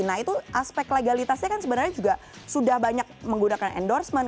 nah itu aspek legalitasnya kan sebenarnya juga sudah banyak menggunakan endorsement